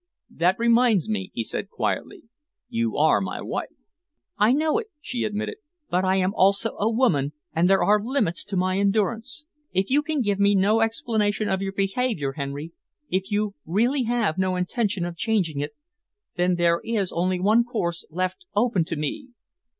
"That reminds me," he said quietly. "You are my wife." "I know it," she admitted, "but I am also a woman, and there are limits to my endurance. If you can give me no explanation of your behaviour, Henry, if you really have no intention of changing it, then there is only one course left open for me."